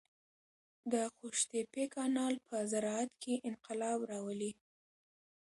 د قوشتېپې کانال په زراعت کې انقلاب راولي.